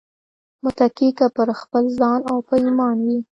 متکي که پر خپل ځان او په ايمان وي